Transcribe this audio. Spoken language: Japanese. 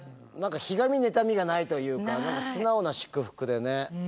ひがみ妬みがないというか素直な祝福でね。